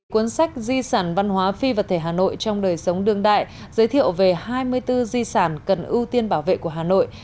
cuốn sách di sản văn hóa phi vật thể hà nội trong đời sống đương đại giới thiệu về hai mươi bốn di sản cần ưu tiên bảo vệ của hà nội